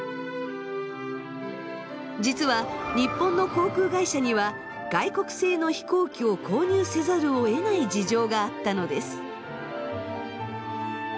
実は日本の航空会社には外国製の飛行機を購入せざるを得ない事情があったのです。